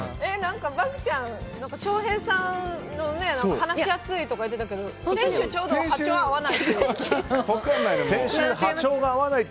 漠ちゃん、翔平さんの話しやすいとか言ってた時先週ちょうど波長が合わないって。